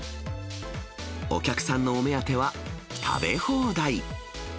お客さんのお目当ては、食べ放題。